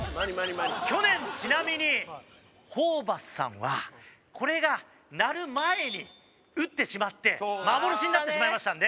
去年ちなみにホーバスさんはこれが鳴る前に打ってしまって幻になってしまいましたので。